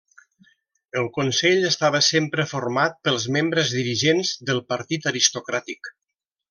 El consell estava sempre format pels membres dirigents del partit aristocràtic.